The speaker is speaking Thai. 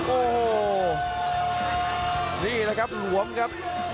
โอ้โหนี่แหละครับหลวมครับ